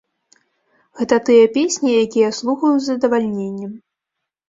Гэта тыя песні, якія я слухаю з задавальненнем.